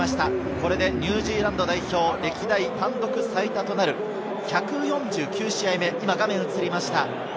これでニュージーランド代表、歴代単独最多となる１４９試合目、画面に映りました。